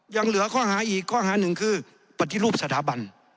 ยังเหลือข้อหาอีกข้อหาหนึ่งคือปฏิรูปสถาบัน